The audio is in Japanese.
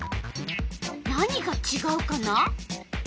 何がちがうかな？